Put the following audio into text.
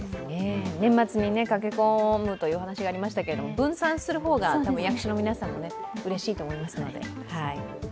年末に駆け込むというお話がありましたが分散する方が役所の皆さんはうれしいと思いますので。